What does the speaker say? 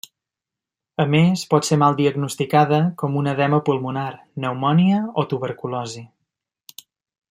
A més, pot ser mal diagnosticada com un edema pulmonar, pneumònia o tuberculosi.